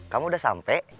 kamu udah sampe